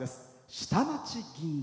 「下町銀座」。